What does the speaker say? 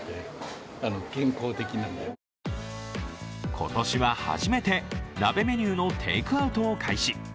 今年は初めて鍋メニューのテイクアウトを開始。